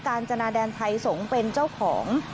จนาแดนไทยสงฆ์เป็นเจ้าของ